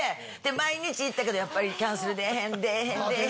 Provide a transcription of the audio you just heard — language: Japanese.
毎日行ったけどやっぱりキャンセル出ぇへん出ぇへん。